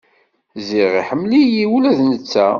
Ziɣ iḥemmel-iyi ula d netta.